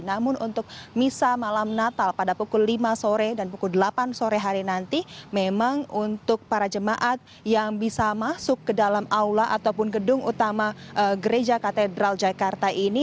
namun untuk misa malam natal pada pukul lima sore dan pukul delapan sore hari nanti memang untuk para jemaat yang bisa masuk ke dalam aula ataupun gedung utama gereja katedral jakarta ini